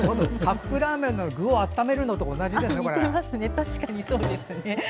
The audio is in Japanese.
カップラーメンの具を温めるのと同じですね。